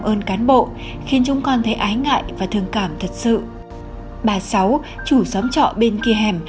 ơn cán bộ khiến chúng con thấy ái ngại và thương cảm thật sự bà sáu chủ xóm trọ bên kia hẻm